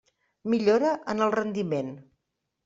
Millora en el rendiment.